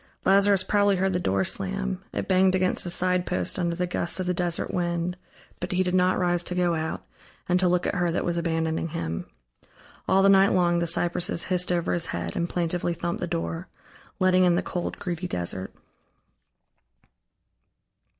Lazarus probably heard the door slam; it banged against the side post under the gusts of the desert wind, but he did not rise to go out and to look at her that was abandoning him. All the night long the cypresses hissed over his head and plaintively thumped the door, letting in the cold, greedy desert.